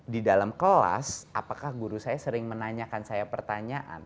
di dalam kelas apakah guru saya sering menanyakan saya pertanyaan